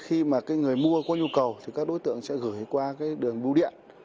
khi mà người mua có nhu cầu thì các đối tượng sẽ gửi qua đường bưu điện